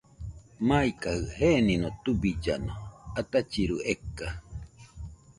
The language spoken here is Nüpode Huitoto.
Maikajɨ genino tubillano atachiru eka.